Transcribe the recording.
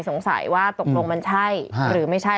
สงสัยว่าตกลงมันใช่หรือไม่ใช่